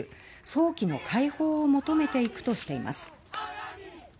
早期の解放を求めていくとしています。